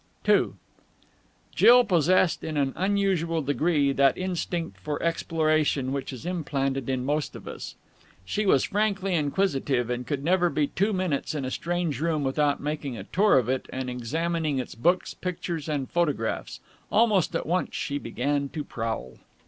II Jill possessed in an unusual degree that instinct for exploration which is implanted in most of us. She was frankly inquisitive, and could never be two minutes in a strange room without making a tour of it and examining its books, pictures, and photographs. Almost at once she began to prowl.